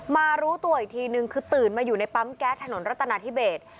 รู้ตัวอีกทีนึงคือตื่นมาอยู่ในปั๊มแก๊สถนนรัตนาธิเบส